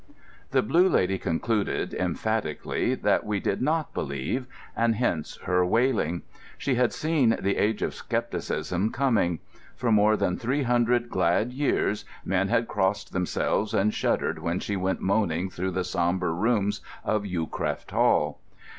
The Blue Lady concluded, emphatically, that we did not believe; and hence her wailing. She had seen the age of scepticism coming. For more than three hundred glad years men had crossed themselves and shuddered when she went moaning through the sombre rooms of Yewcroft Hall.